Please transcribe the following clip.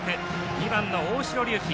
２番の大城龍紀